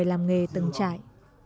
người làm nghề từng chạy